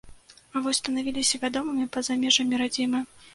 А вось станавіліся вядомымі па-за межамі радзімы.